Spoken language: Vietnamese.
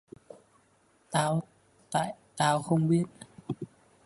tao tại tao không biết